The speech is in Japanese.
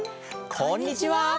こんにちは。